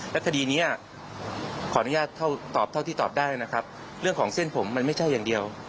และคดีนี้ขออนุญาตเท่าตอบเท่าที่ตอบได้นะครับเรื่องของเส้นผมมันไม่ใช่อย่างเดียว